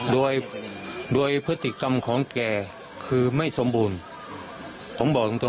ด้วยด้วยพฤติกรรมของแกคือไม่สมบูรณ์